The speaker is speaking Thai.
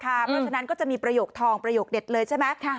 เพราะฉะนั้นก็จะมีประโยคทองประโยคเด็ดเลยใช่ไหม